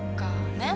ねっ？